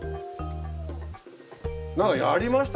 なんかやりました